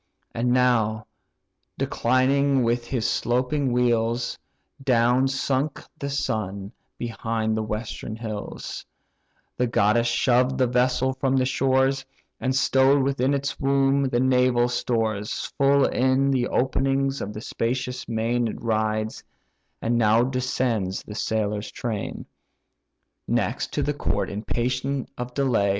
And now, declining with his sloping wheels, Down sunk the sun behind the western hills The goddess shoved the vessel from the shores, And stow'd within its womb the naval stores, Full in the openings of the spacious main It rides; and now descends the sailor train, Next, to the court, impatient of delay.